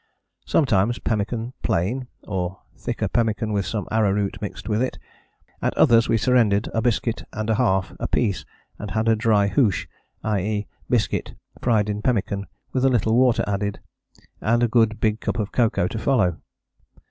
Sometimes pemmican plain, or thicker pemmican with some arrowroot mixed with it: at others we surrendered a biscuit and a half apiece and had a dry hoosh, i.e. biscuit fried in pemmican with a little water added, and a good big cup of cocoa to follow.